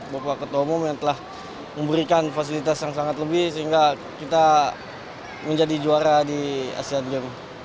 bapak ketua umum yang telah memberikan fasilitas yang sangat lebih sehingga kita menjadi juara di asean games